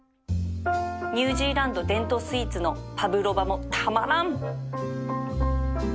ニュージーランド伝統スイーツのパブロバもたまらん！